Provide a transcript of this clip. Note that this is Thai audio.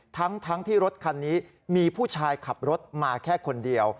ทั้งที่รถคันนี้มีผู้ชายขับรถมาแค่คนเดียว